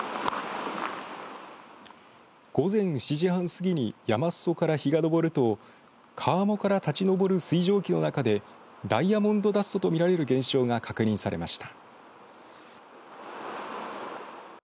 午前７時半過ぎに山すそから日が昇ると河面から立ち昇る水蒸気の中でダイヤモンドダストと見られる現象が確認されました。